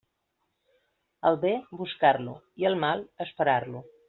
El bé, buscar-lo, i el mal, esperar-lo.